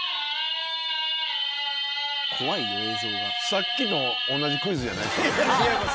さっきの同じクイズじゃない？